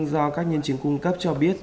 do các nhân chính cung cấp cho biết